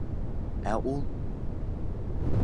Ә ул!..